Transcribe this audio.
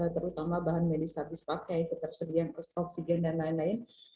terutama bahan medis habis pakai ketersediaan oksigen dan lain lain